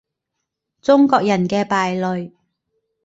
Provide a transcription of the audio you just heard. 中國人嘅敗類